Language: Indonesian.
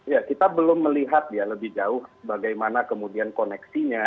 ya kita belum melihat ya lebih jauh bagaimana kemudian koneksinya